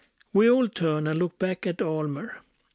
We all turned and looked back at Almer.